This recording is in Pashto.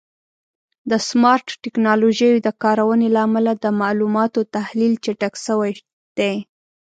د سمارټ ټکنالوژیو د کارونې له امله د معلوماتو تحلیل چټک شوی دی.